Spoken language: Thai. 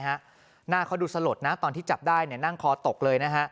หน้าเขาดูสลดนะตอนที่จับได้นั่งคอตกเลยนะฮะ